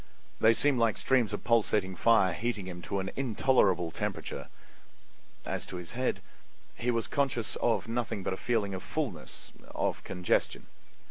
They seemed like streams of pulsating fire heating him to an intolerable temperature. As to his head, he was conscious of nothing but a feeling of fullness—of congestion.